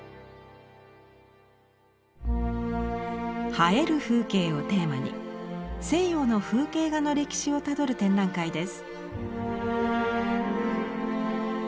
「映える風景」をテーマに西洋の風景画の歴史をたどる展覧会です。